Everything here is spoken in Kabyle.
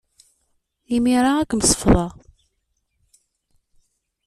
Imir-a, ad kem-sefḍeɣ.